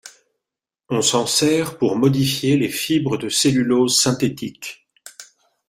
On s'en sert pour modifier les fibres de cellulose synthétique.